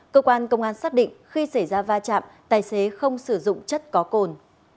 cơ quan công an xác định khi xảy ra va chạm tài xế không sử dụng chất có cồn